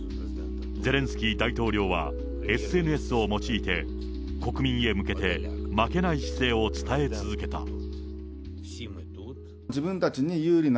ゼレンスキー大統領は、ＳＮＳを用いて、国民へ向けて、負けない姿勢を伝え続けた。